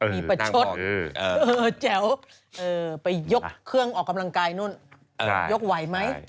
มีประชดแจ๋วไปยกเครื่องออกกำลังกายนู่นยกไหวไหม